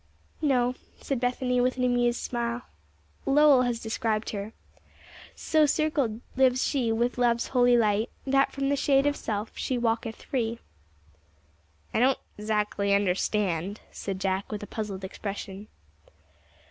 "No," said Bethany, with an amused smile. "Lowell has described her: 'So circled lives she with love's holy light, That from the shade of self she walketh free.'" "I don't 'zactly understand," said Jack, with a puzzled expression.